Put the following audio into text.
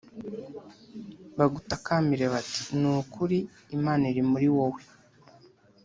bagutakambire bati Ni ukuri Imana iri muri wowe